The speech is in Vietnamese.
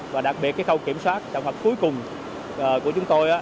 và đặc biệt cái khâu kiểm soát trong học cuối cùng của chúng tôi